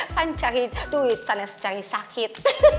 kan cari duit sana cari sakit